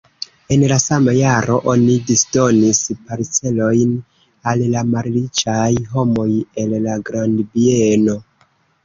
En la sama jaro oni disdonis parcelojn al la malriĉaj homoj el la grandbieno.